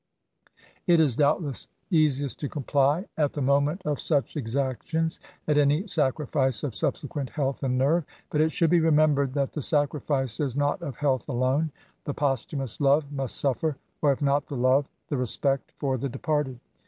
It is doubtless easiest to comply at the moment of such exactions, at any sacrifice of subsequent health and nerve : but it should be remembered that the sacrifice is not of health alone. The posthumous love must suffer ;— or if not the love, the respect for the departed.